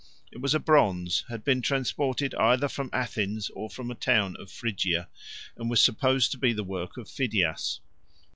It was a bronze, had been transported either from Athens or from a town of Phrygia, and was supposed to be the work of Phidias.